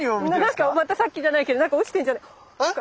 またさっきじゃないけど何か落ちてるんじゃないか。